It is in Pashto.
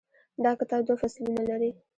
دا کتاب دوه فصلونه لري.